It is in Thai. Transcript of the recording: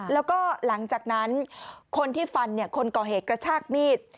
แล้วก็หลังจากนั้นคนที่ฟันคนก่อเหตุกระชากมีด